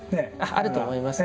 あると思います。